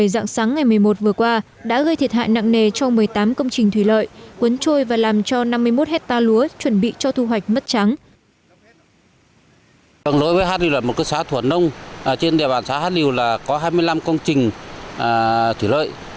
dạng sáng ngày một mươi một vừa qua đã gây thiệt hại nặng nề cho một mươi tám công trình thủy lợi